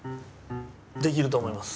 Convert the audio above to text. できると思います。